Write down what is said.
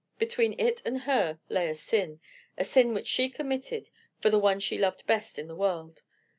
Between it and her lay a sin—a sin which she committed for the one she loved best in the world.